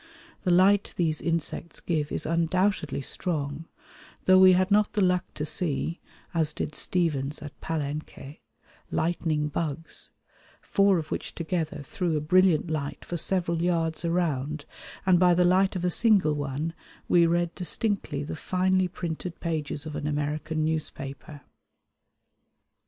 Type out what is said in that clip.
The light these insects give is undoubtedly strong, though we had not the luck to see, as did Stephens at Palenque, "'lightning bugs,' four of which together threw a brilliant light for several yards around, and by the light of a single one we read distinctly the finely printed pages of an American newspaper."